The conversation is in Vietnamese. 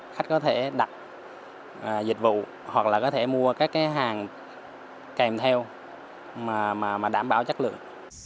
khách có thể đặt dịch vụ hoặc là có thể mua các cái hàng kèm theo mà đảm bảo chất lượng